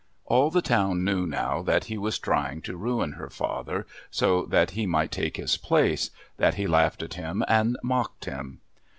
All the town knew now that he was trying to ruin her father so that he might take his place, that he laughed at him and mocked him.